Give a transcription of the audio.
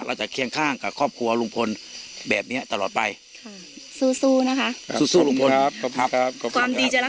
เราจะเคียงข้างกับครอบครัวลุงพลแบบเนี้ยตลอดไปค่ะสู้สู้นะคะ